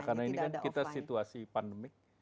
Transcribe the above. karena ini kan kita situasi pandemik